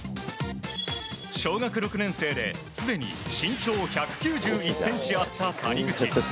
小学６年生ですでに身長１９１ｃｍあった谷口。